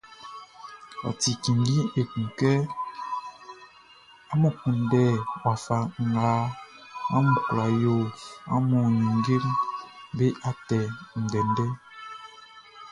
Ɔ ti cinnjin ekun kɛ amun kunndɛ wafa nga amun kwla yo amun ninngeʼm be atɛ ndɛndɛʼn.